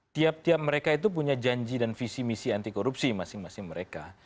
tiap tiap mereka itu punya janji dan visi misi anti korupsi masing masing mereka